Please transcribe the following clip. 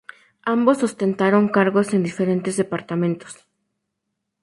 Ambos ostentaron cargos en diferentes departamentos.